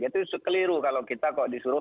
itu keliru kalau kita kok disuruh